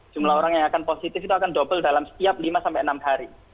jumlah orang yang akan positif itu akan double dalam setiap lima sampai enam hari